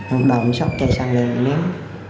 ông bảo ông sắp chạy sang đây ném